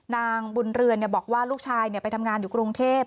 นางบุญเรือนบอกว่าลูกชายไปทำงานอยู่กรุงเทพ